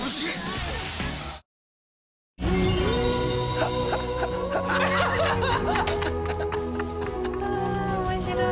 はあ面白い。